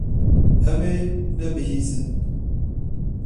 Em ê nebihîzin.